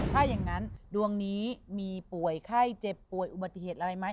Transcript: ถ้าอย่างนั้นดวงนี้มีป่วยไข้เจ็บป่วยอุบัติเหตุอะไรไหม